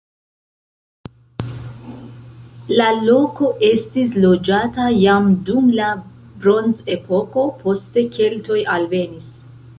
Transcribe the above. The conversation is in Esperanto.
La loko estis loĝata jam dum la bronzepoko, poste keltoj alvenis.